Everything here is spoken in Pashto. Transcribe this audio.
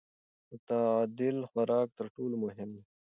متعادل خوراک تر ټولو مهم دی.